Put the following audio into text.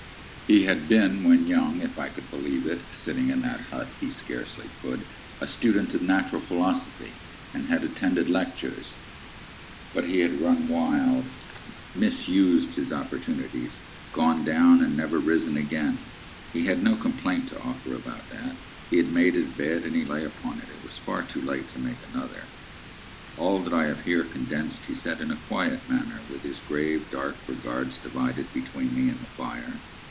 He had been, when young (if I could believe it, sitting in that hut,—he scarcely could), a student of natural philosophy, and had attended lectures; but he had run wild, misused his opportunities, gone down, and never risen again. He had no complaint to offer about that. He had made his bed, and he lay upon it. It was far too late to make another. [Picture: The signal man] All that I have here condensed he said in a quiet manner, with his grave, dark regards divided between me and the fire.